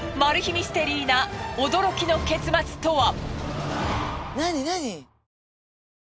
ミステリーな驚きの結末とは！？